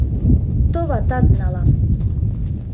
Товатат налам!